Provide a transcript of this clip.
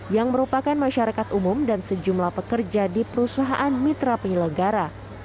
yang merupakan masyarakat umum dan sejumlah pekerja di perusahaan mitra penyelenggara